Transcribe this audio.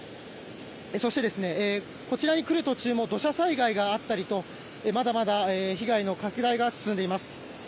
そして、こちらに来る途中も土砂災害があったりとまだまだ被害の拡大が進んでいます。